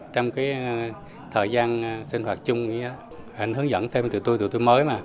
trong thời gian sinh hoạt chung anh hướng dẫn thêm tụi tôi tụi tôi mới mà